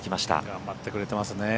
頑張ってくれてますね。